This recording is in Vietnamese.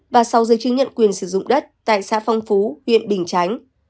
và sáu giấy chứng nhận quyền sử dụng đất tại xã phong phú huyện bình chánh